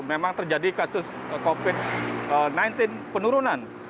memang terjadi kasus covid sembilan belas penurunan